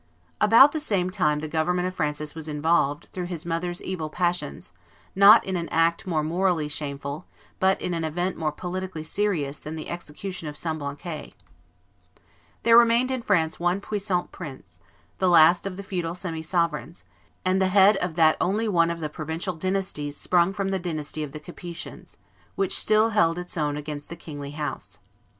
About the same time the government of Francis I. was involved, through his mother's evil passions, not in an act more morally shameful, but in an event more politically serious, than the execution of Semblancay. There remained in France one puissant prince, the last of the feudal semi sovereigns, and the head of that only one of the provincial dynasties sprung from the dynasty of the Capetians which still held its own against the kingly house.